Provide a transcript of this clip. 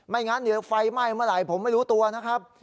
ไม่งั้นไฟไหม้เมื่อไหร่ผมไม่รู้ตัวนะครับ